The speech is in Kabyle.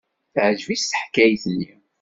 Teɛjeb-itt teḥkayt-nni.